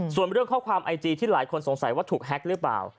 ส่วนเรื่องข้อความไอจีที่หลายคนสงสัยว่าถูกแฮ็กหรือเปล่า